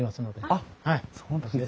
あっそうなんですね。